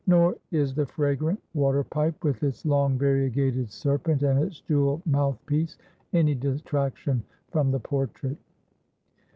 Nor is the fragrant water pipe, with its long variegated serpent, and its jewelled mouth piece, any detraction from the portrait.